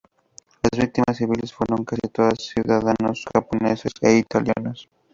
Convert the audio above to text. Las víctimas civiles fueron casi todas ciudadanos japoneses e italianos.